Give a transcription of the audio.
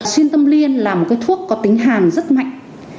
xuyên tâm liên là một cái thuốc có tính hàn rất mạnh